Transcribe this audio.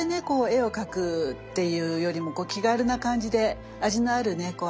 こう絵を描くっていうよりも気軽な感じで味のあるね